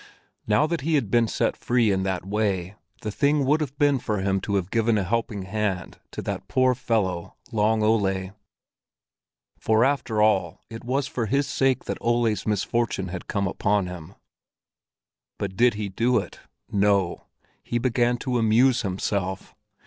Now that he had been set free in that way, the thing would have been for him to have given a helping hand to that poor fellow, Long Ole; for after all it was for his sake that Ole's misfortune had come upon him. But did he do it? No, he began to amuse himself.